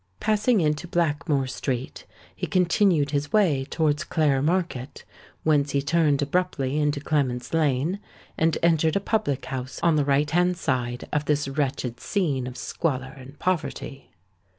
Passing into Blackmoor Street, he continued his way towards Clare Market; whence he turned abruptly into Clements' Lane, and entered a public house on the right hand side of this wretched scene of squalor and poverty.